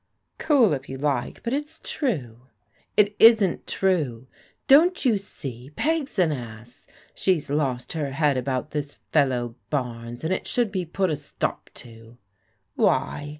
Cool if you like, but it's true/* It isn't true. Don't you see. Peg's an ass. She's lost her head about this fellow Barnes^ and it should be put a stop to." " Why